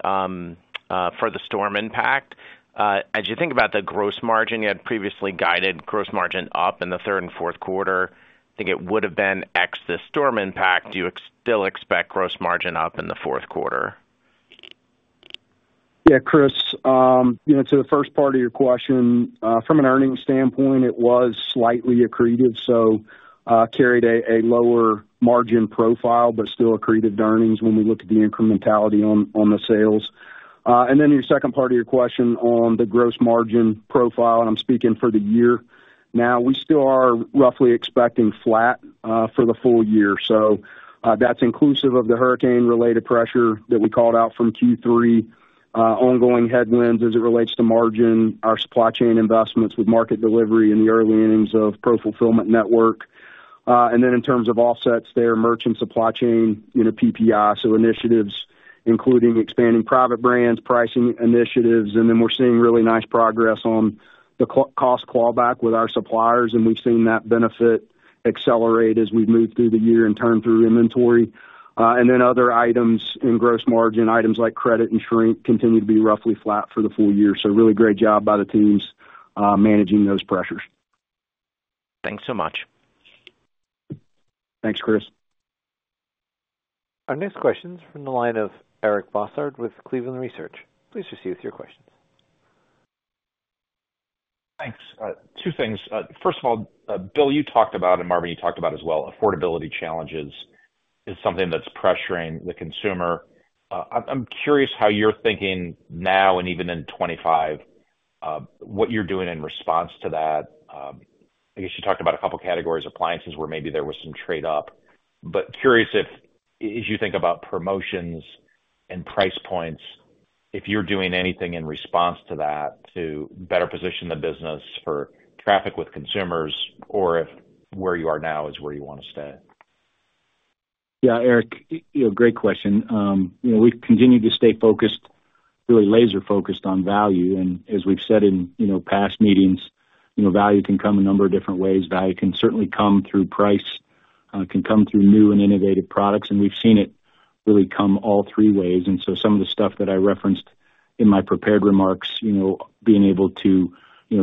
J: storm impact. As you think about the gross margin, you had previously guided gross margin up in the third and Q4. I think it would have been ex the storm impact. Do you still expect gross margin up in the Q4?
F: Yeah, Chris, to the first part of your question, from an earnings standpoint, it was slightly accretive, so carried a lower margin profile, but still accretive to earnings when we look at the incrementality on the sales. And then your second part of your question on the gross margin profile, and I'm speaking for the year now, we still are roughly expecting flat for the full year. So that's inclusive of the hurricane-related pressure that we called out from Q3, ongoing headwinds as it relates to margin, our supply chain investments with market delivery in the early innings of Pro fulfillment network. And then in terms of offsets, our merchandising supply chain, PPI, so initiatives including expanding private brands, pricing initiatives. Then we're seeing really nice progress on the cost clawback with our suppliers, and we've seen that benefit accelerate as we've moved through the year and turned through inventory. Then other items in gross margin, items like credit and shrink, continue to be roughly flat for the full year. Really great job by the teams managing those pressures.
J: Thanks so much.
F: Thanks, Chris.
A: Our next question is from the line of Eric Bosshard with Cleveland Research. Please proceed with your questions.
K: Thanks. Two things. First of all, Bill, you talked about, and Marvin, you talked about as well, affordability challenges is something that's pressuring the consumer. I'm curious how you're thinking now and even in 2025, what you're doing in response to that. I guess you talked about a couple of categories of appliances where maybe there was some trade-off, but curious if, as you think about promotions and price points, if you're doing anything in response to that to better position the business for traffic with consumers or if where you are now is where you want to stay.
E: Yeah, Eric, great question. We've continued to stay focused, really laser-focused on value. And as we've said in past meetings, value can come a number of different ways. Value can certainly come through price, can come through new and innovative products, and we've seen it really come all three ways, and so some of the stuff that I referenced in my prepared remarks, being able to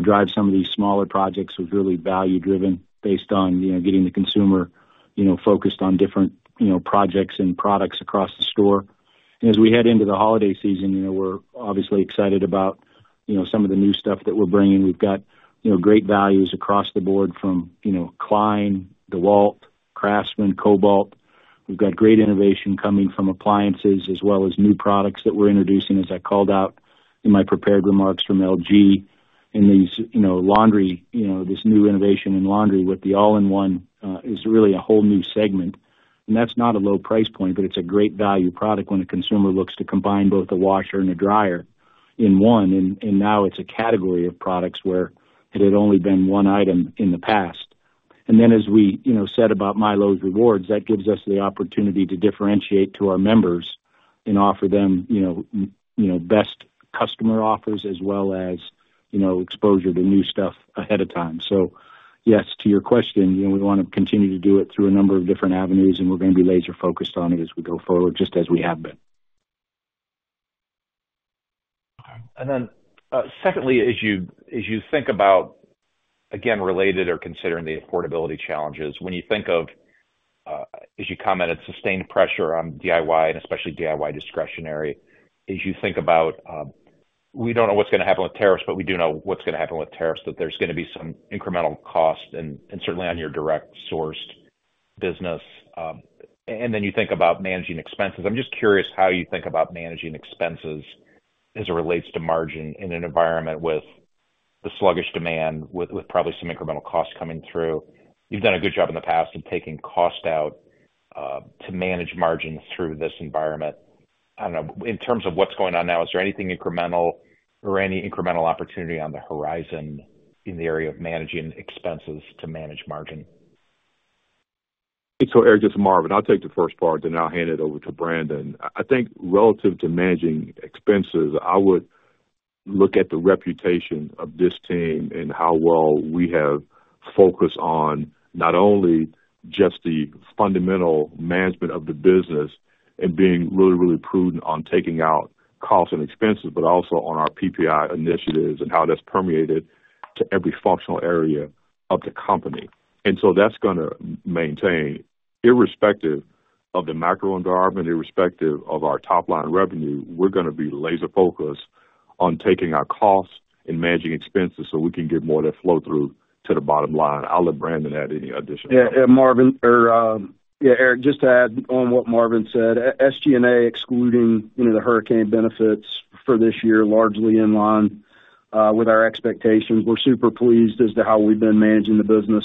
E: drive some of these smaller projects was really value-driven based on getting the consumer focused on different projects and products across the store, and as we head into the holiday season, we're obviously excited about some of the new stuff that we're bringing. We've got great values across the board from Klein, DeWalt, Craftsman, Kobalt. We've got great innovation coming from appliances as well as new products that we're introducing, as I called out in my prepared remarks from LG. This new innovation in laundry with the all-in-one is really a whole new segment. That's not a low price point, but it's a great value product when a consumer looks to combine both a washer and a dryer in one. Now it's a category of products where it had only been one item in the past. Then, as we said about MyLowe's Rewards, that gives us the opportunity to differentiate to our members and offer them best customer offers as well as exposure to new stuff ahead of time. Yes, to your question, we want to continue to do it through a number of different avenues, and we're going to be laser-focused on it as we go forward, just as we have been.
K: And then secondly, as you think about again related or considering the affordability challenges, when you think of, as you commented, sustained pressure on DIY and especially DIY discretionary, as you think about, we don't know what's going to happen with tariffs, but we do know what's going to happen with tariffs, that there's going to be some incremental cost and certainly on your direct-sourced business. And then you think about managing expenses. I'm just curious how you think about managing expenses as it relates to margin in an environment with the sluggish demand, with probably some incremental costs coming through. You've done a good job in the past of taking cost out to manage margin through this environment. I don't know. In terms of what's going on now, is there anything incremental or any incremental opportunity on the horizon in the area of managing expenses to manage margin?
C: So Eric, this is Marvin. I'll take the first part, then I'll hand it over to Brandon. I think relative to managing expenses, I would look at the reputation of this team and how well we have focused on not only just the fundamental management of the business and being really, really prudent on taking out costs and expenses, but also on our PPI initiatives and how that's permeated to every functional area of the company. And so that's going to maintain, irrespective of the macro environment, irrespective of our top-line revenue, we're going to be laser-focused on taking our costs and managing expenses so we can get more of that flow-through to the bottom line. I'll let Brandon add any additional.
F: Yeah, Marvin. Yeah, Eric, just to add on what Marvin said, SG&A excluding the hurricane benefits for this year, largely in line with our expectations. We're super pleased as to how we've been managing the business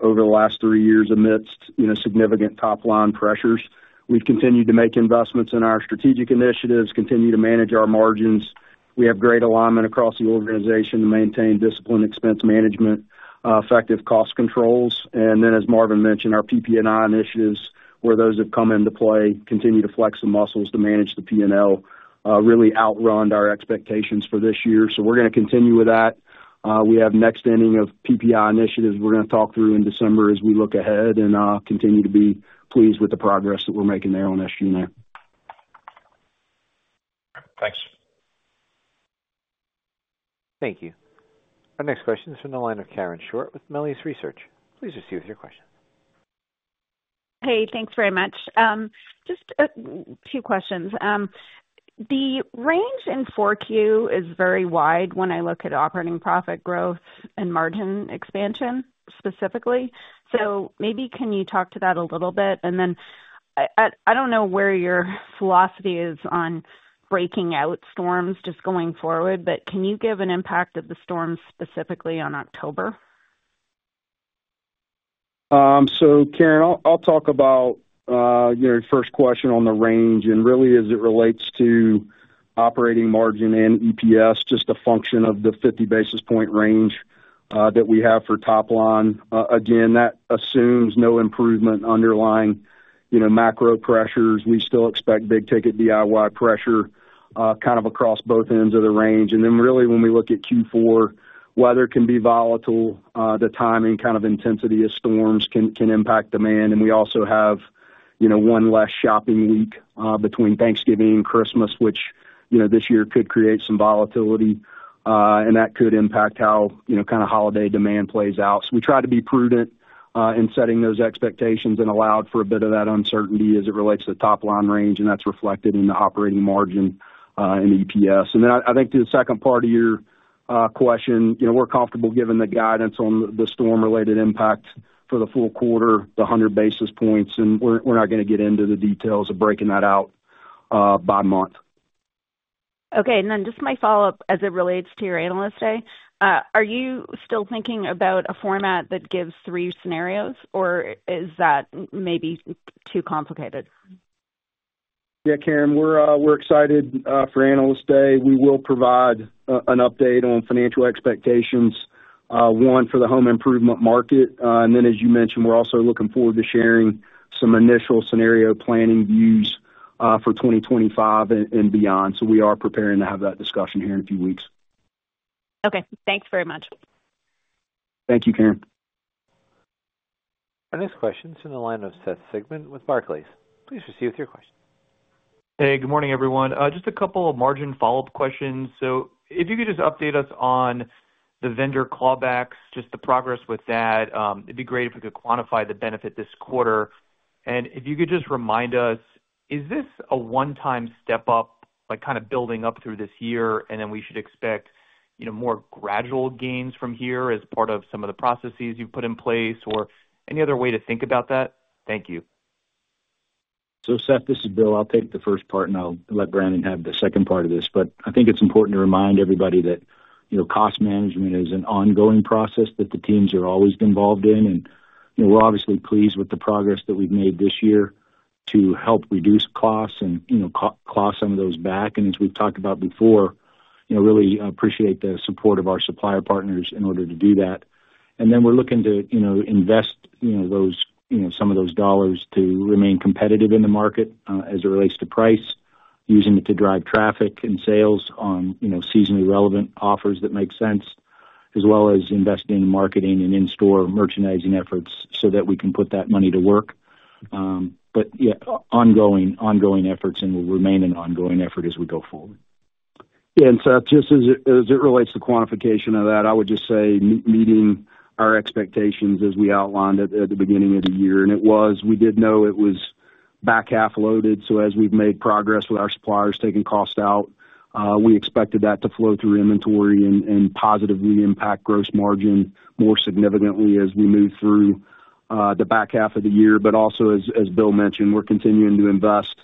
F: over the last three years amidst significant top-line pressures. We've continued to make investments in our strategic initiatives, continue to manage our margins. We have great alignment across the organization to maintain disciplined expense management, effective cost controls. And then, as Marvin mentioned, our PPI initiatives, where those have come into play, continue to flex the muscles to manage the P&L, really outran our expectations for this year. So we're going to continue with that. We have next inning of PPI initiatives we're going to talk through in December as we look ahead and continue to be pleased with the progress that we're making there on SG&A.
K: Thanks.
A: Thank you. Our next question is from the line of Karen Short with Melius Research. Please proceed with your question.
L: Hey, thanks very much. Just a few questions. The range in 4Q is very wide when I look at operating profit growth and margin expansion specifically. So maybe can you talk to that a little bit? And then I don't know where your philosophy is on breaking out storms just going forward, but can you give an impact of the storms specifically on October?
F: So Karen, I'll talk about your first question on the range and really as it relates to operating margin and EPS, just a function of the 50 basis points range that we have for top line. Again, that assumes no improvement underlying macro pressures. We still expect big ticket DIY pressure kind of across both ends of the range. And then really, when we look at Q4, weather can be volatile. The timing kind of intensity of storms can impact demand. And we also have one less shopping week between Thanksgiving and Christmas, which this year could create some volatility, and that could impact how kind of holiday demand plays out. So we try to be prudent in setting those expectations and allow for a bit of that uncertainty as it relates to the top-line range, and that's reflected in the operating margin and EPS. And then I think to the second part of your question, we're comfortable giving the guidance on the storm-related impact for the full quarter, the 100 basis points, and we're not going to get into the details of breaking that out by month.
L: Okay. And then just my follow-up as it relates to your analyst day. Are you still thinking about a format that gives three scenarios, or is that maybe too complicated?
F: Yeah, Karen, we're excited for analyst day. We will provide an update on financial expectations, one for the home improvement market. And then, as you mentioned, we're also looking forward to sharing some initial scenario planning views for 2025 and beyond. So we are preparing to have that discussion here in a few weeks.
L: Okay. Thanks very much.
F: Thank you, Karen.
A: Our next question is from the line of Seth Sigman with Barclays. Please proceed with your question.
M: Hey, good morning, everyone. Just a couple of margin follow-up questions, so if you could just update us on the vendor clawbacks, just the progress with that, it'd be great if we could quantify the benefit this quarter, and if you could just remind us, is this a one-time step-up, kind of building up through this year, and then we should expect more gradual gains from here as part of some of the processes you've put in place, or any other way to think about that? Thank you.
E: So Seth, this is Bill. I'll take the first part, and I'll let Brandon have the second part of this. But I think it's important to remind everybody that cost management is an ongoing process that the teams are always involved in. And we're obviously pleased with the progress that we've made this year to help reduce costs and claw some of those back. And as we've talked about before, really appreciate the support of our supplier partners in order to do that. And then we're looking to invest some of those dollars to remain competitive in the market as it relates to price, using it to drive traffic and sales on seasonally relevant offers that make sense, as well as investing in marketing and in-store merchandising efforts so that we can put that money to work. But yeah, ongoing efforts and will remain an ongoing effort as we go forward.
F: Yeah. And Seth, just as it relates to quantification of that, I would just say meeting our expectations as we outlined it at the beginning of the year. And we did know it was back half loaded. So as we've made progress with our suppliers taking cost out, we expected that to flow through inventory and positively impact gross margin more significantly as we move through the back half of the year. But also, as Bill mentioned, we're continuing to invest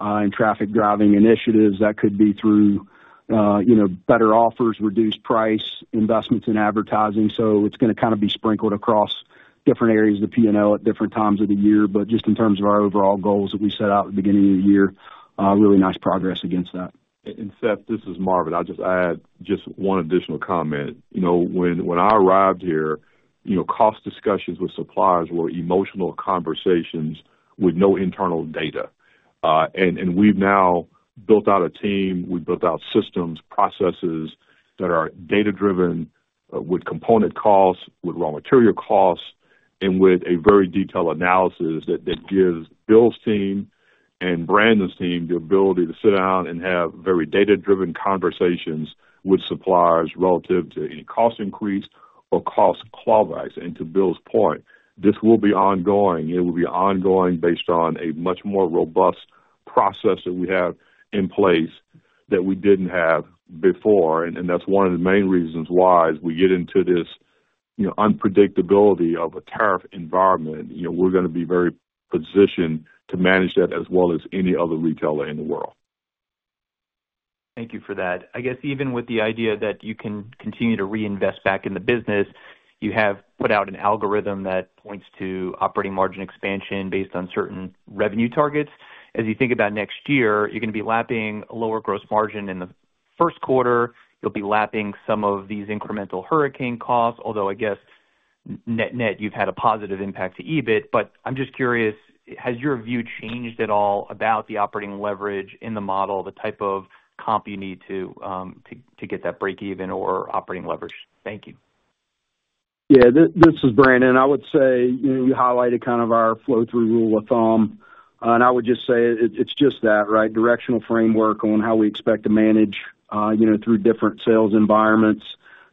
F: in traffic driving initiatives. That could be through better offers, reduced price investments in advertising. So it's going to kind of be sprinkled across different areas of the P&L at different times of the year. But just in terms of our overall goals that we set out at the beginning of the year, really nice progress against that.
C: Seth, this is Marvin. I'll just add just one additional comment. When I arrived here, cost discussions with suppliers were emotional conversations with no internal data. We've now built out a team. We've built out systems, processes that are data-driven with component costs, with raw material costs, and with a very detailed analysis that gives Bill's team and Brandon's team the ability to sit down and have very data-driven conversations with suppliers relative to any cost increase or cost clawbacks. To Bill's point, this will be ongoing. It will be ongoing based on a much more robust process that we have in place that we didn't have before. That's one of the main reasons why, as we get into this unpredictability of a tariff environment, we're going to be very positioned to manage that as well as any other retailer in the world.
M: Thank you for that. I guess even with the idea that you can continue to reinvest back in the business, you have put out an algorithm that points to operating margin expansion based on certain revenue targets. As you think about next year, you're going to be lapping a lower gross margin in the Q1. You'll be lapping some of these incremental hurricane costs, although I guess net-net you've had a positive impact to EBIT. But I'm just curious, has your view changed at all about the operating leverage in the model, the type of comp you need to get that breakeven or operating leverage? Thank you.
F: Yeah, this is Brandon. I would say you highlighted kind of our flow-through rule of thumb. And I would just say it's just that, right? Directional framework on how we expect to manage through different sales environments.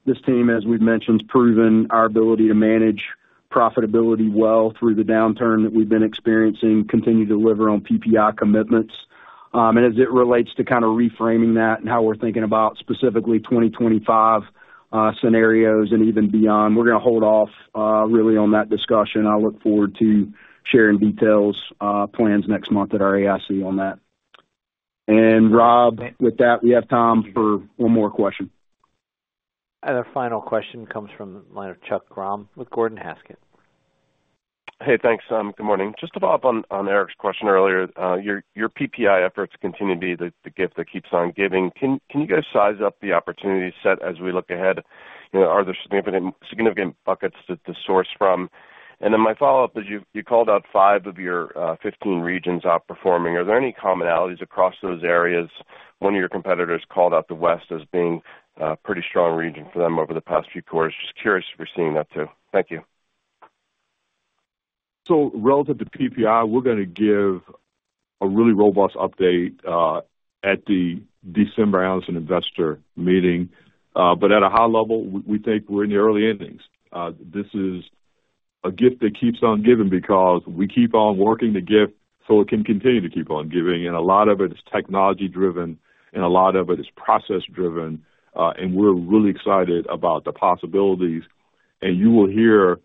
F: This team, as we've mentioned, has proven our ability to manage profitability well through the downturn that we've been experiencing, continue to deliver on PPI commitments. And as it relates to kind of reframing that and how we're thinking about specifically 2025 scenarios and even beyond, we're going to hold off really on that discussion. I look forward to sharing details, plans next month at our AIC on that. And Rob, with that, we have time for one more question.
A: Our final question comes from the line of Chuck Grom with Gordon Haskett.
N: Hey, thanks. Good morning. Just to follow up on Eric's question earlier, your PPI efforts continue to be the gift that keeps on giving. Can you guys size up the opportunity set as we look ahead? Are there significant buckets to source from? And then my follow-up is you called out five of your 15 regions outperforming. Are there any commonalities across those areas? One of your competitors called out the West as being a pretty strong region for them over the past few quarters. Just curious if we're seeing that too. Thank you.
C: So relative to PPI, we're going to give a really robust update at the December Analyst Investor meeting. But at a high level, we think we're in the early innings. This is a gift that keeps on giving because we keep on working the gift so it can continue to keep on giving. And a lot of it is technology-driven, and a lot of it is process-driven. And we're really excited about the possibilities. And you will hear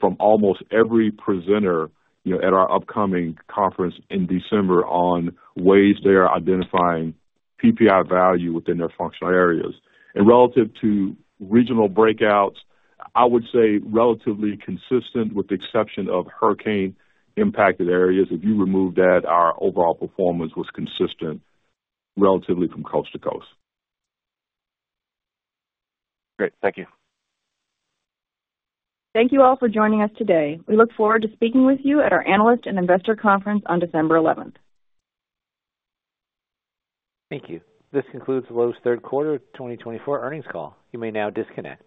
C: from almost every presenter at our upcoming conference in December on ways they are identifying PPI value within their functional areas. And relative to regional breakouts, I would say relatively consistent with the exception of hurricane-impacted areas. If you remove that, our overall performance was consistent relatively from coast to coast.
N: Great. Thank you.
B: Thank you all for joining us today. We look forward to speaking with you at our Analyst and Investor Conference on December 11th.
A: Thank you. This concludes Lowe's third quarter 2024 earnings call. You may now disconnect.